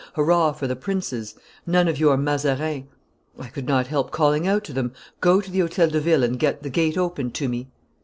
hurrah for the princes! None of your Mazarin!' I could not help calling out to them, 'Go to the Hotel de Ville and get the gate opened to me!